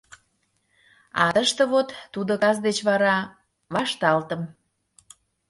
А тыште вот, тудо кас деч вара — вашталтым.